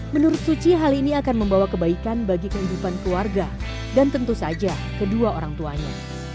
menurut suci hal ini akan membawa kebaikan bagi kehidupan keluarga dan tentu saja kedua orang tuanya